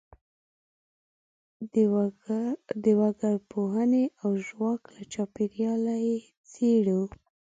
د وګړپوهنې او ژواک له چاپیریال یې څېړو.